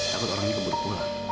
takut orang ini keburu pulang